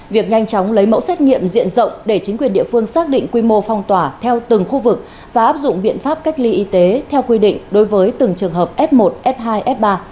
việc nhanh chóng lấy mẫu xét nghiệm diện rộng để chính quyền địa phương xác định quy mô phong tỏa theo từng khu vực và áp dụng biện pháp cách ly y tế theo quy định đối với từng trường hợp f một f hai f ba